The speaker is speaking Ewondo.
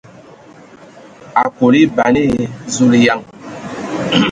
Akol a eban e ! Zulǝyaŋ!